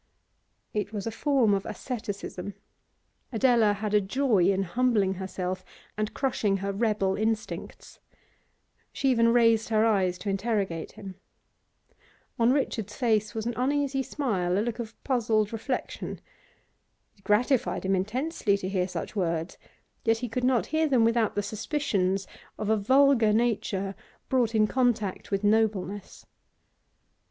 It was a form of asceticism; Adela had a joy in humbling herself and crushing her rebel instincts. She even raised her eyes to interrogate him. On Richard's face was an uneasy smile, a look of puzzled reflection. It gratified him intensely to hear such words, yet he could not hear them without the suspicions of a vulgar nature brought in contact with nobleness.